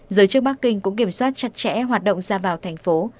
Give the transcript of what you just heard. giới chức bắc kinh cũng kiểm soát chặt chẽ hoạt động ra vào thành phố